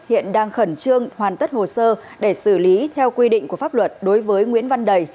hiện đang khẩn trương hoàn tất hồ sơ để xử lý theo quy định của pháp luật đối với nguyễn văn đầy